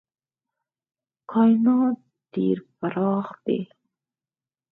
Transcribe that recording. کاینات ډېر پراخ دي.